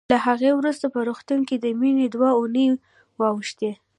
له هغې وروسته په روغتون کې د مينې دوه اوونۍ واوښتې